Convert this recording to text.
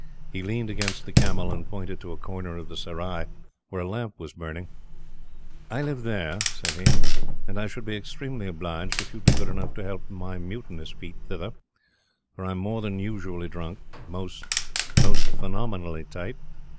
He leaned against the camel and pointed to a corner of the Serai where a lamp was burning: "I live there," said he, "and I should be extremely obliged if you would be good enough to help my mutinous feet thither; for I am more than usually drunk most most phenomenally tight.